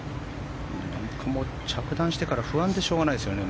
着弾してから不安でしょうがないですね。